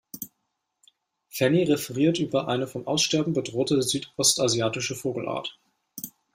Fanny referiert über eine vom Aussterben bedrohte südostasiatische Vogelart.